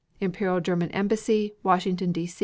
Imperial German Embassy, Washington, D.